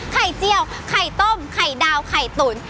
เจี้ยวไข่ต้มไข่ดาวไข่ตุ๋น